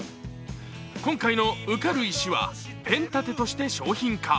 今回のウ軽石はペン立てとして商品化。